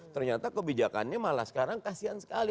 ternyata kebijakannya malah sekarang kasian sekali